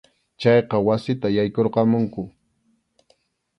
Chayqa wasita yaykurqamunku.